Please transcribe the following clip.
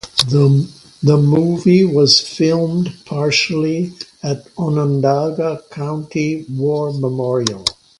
The movie was filmed partially at Onondaga County War Memorial.